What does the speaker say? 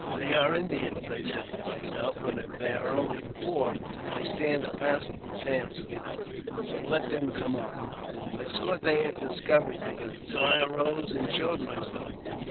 They are Indians, I said to myself ; but if there are only four, I stand a passable chance with them, so let them come on. I saw they had discovered me, so I arose and showed myself.